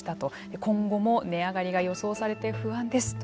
今後も値上がりが予想されて不安ですという声。